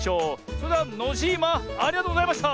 それではノジーマありがとうございました！